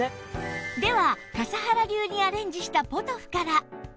では笠原流にアレンジしたポトフから